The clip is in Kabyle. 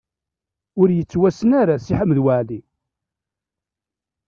Ur yettwassen ara Si Ḥmed Waɛli.